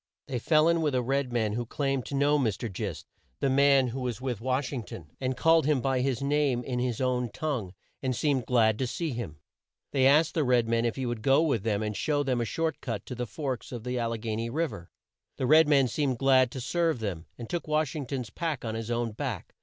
They fell in with a red man who claimed to know Mr. Gist, the man who was with Wash ing ton, and called him by his name in his own tongue and seemed glad to see him. They asked the red man if he would go with them and show them a short cut to the Forks of the Al le gha ny Riv er. The red man seemed glad to serve them, and took Wash ing ton's pack on his own back.